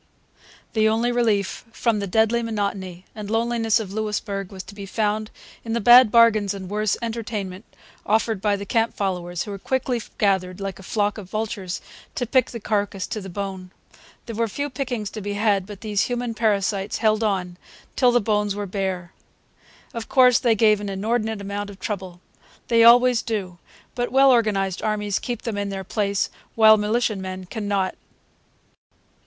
The only relief from the deadly monotony and loneliness of Louisbourg was to be found in the bad bargains and worse entertainment offered by the camp followers, who quickly gathered, like a flock of vultures, to pick the carcass to the bone. There were few pickings to be had, but these human parasites held on until the bones were bare. Of course, they gave an inordinate amount of trouble. They always do. But well organized armies keep them in their place; while militiamen can not.